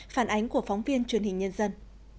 phản ánh của phóng viên truyền hình nhân dân